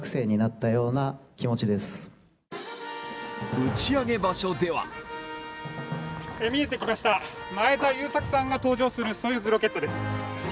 打ち上げ場所では見えてきました、前澤友作さんが搭乗するソユーズロケットです。